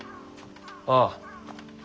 ああ。